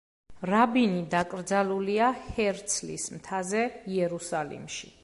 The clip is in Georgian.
რაბინი დაკრძალულია ჰერცლის მთაზე იერუსალიმში.